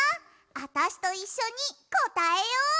あたしといっしょにこたえよう！